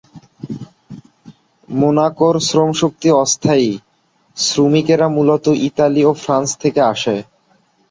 মোনাকোর শ্রমশক্তি অস্থায়ী; শ্রমিকেরা মূলত ইতালি ও ফ্রান্স থেকে আসে।